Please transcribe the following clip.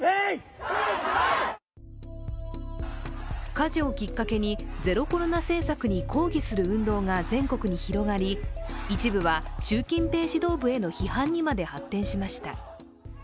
火事をきっかけにゼロコロナ政策に抗議する運動が全国に広がり、一部は習近平指導部への批判にまで発展しました。